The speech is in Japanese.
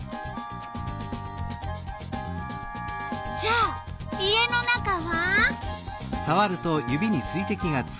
じゃあ家の中は？